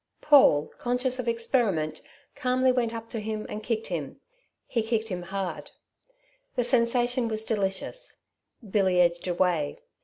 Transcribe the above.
Paul, conscious of experiment, calmly went up to him and kicked him. He kicked him hard. The sensation was delicious. Billy edged away.